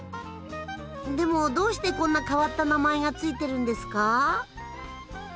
でもどうしてこんな変わった名前が付いてるんですか？